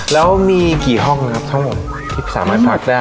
แล้วมีกี่ห้องนะครับทั้งหมดที่สามารถฝากได้